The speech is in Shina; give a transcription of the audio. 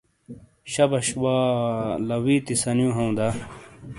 شبش وا لاوِیتی سنیو ہوں دا ؟